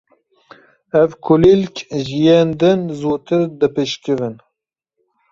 Ev kulîlk ji yên din zûtir dibişkivin.